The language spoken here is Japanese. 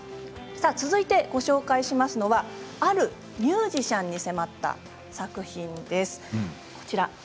続いて紹介しますのはあるミュージシャンに迫った作品です。